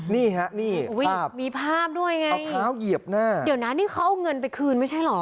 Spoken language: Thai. นี่ฮะนี่มีภาพด้วยไงเอาเท้าเหยียบหน้าเดี๋ยวนะนี่เขาเอาเงินไปคืนไม่ใช่เหรอ